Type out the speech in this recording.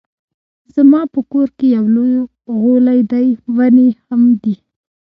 زما په کور کې يو لوی غولی دی ونې هم دي